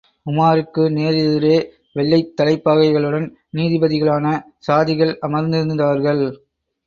உமாருக்கு நேர் எதிரே, வெள்ளைத் தலைப்பாகைகளுடன் நீதிபதிகளான சாதிகள் அமர்ந்திருந்தார்கள்.